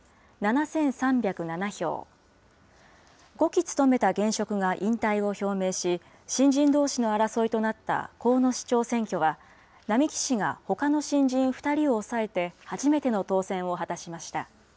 ５期務めた現職が引退を表明し、新人どうしの争いとなった鴻巣市長選挙は、並木氏がほかの新人２人を抑えて、初めての当選を果たしました。